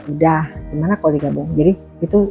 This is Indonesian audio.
udah gimana kalau digabung jadi itu